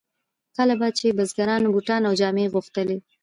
کله به چې بزګرانو بوټان او جامې غوښتلې.